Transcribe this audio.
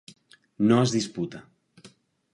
No es disputa.